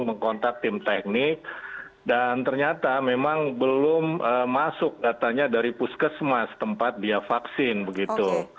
saya langsung menghubungi tim teknik dan ternyata memang belum masuk katanya dari puskesmas tempat dia vaksin begitu